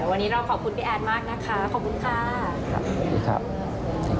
วันนี้เราขอบคุณพี่แอดมากนะคะขอบคุณค่ะครับ